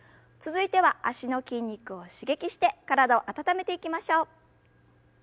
続いては脚の筋肉を刺激して体を温めていきましょう。